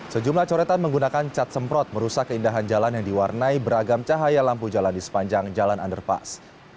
sejumlah coretan menggunakan cat semprot merusak keindahan jalan yang diwarnai beragam cahaya lampu jalan di sepanjang jalan underpass